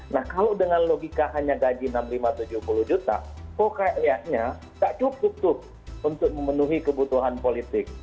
nah kalau dengan logika hanya gaji enam puluh lima tujuh puluh juta kok kayaknya tak cukup tuh untuk memenuhi kebutuhan politik